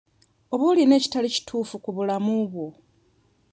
Oba olina ekitali kituufu ku bulamu bwo?